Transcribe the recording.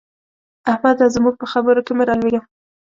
احمده! زموږ په خبرو کې مه رالوېږه.